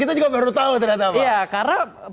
kita juga baru tau ternyata iya karena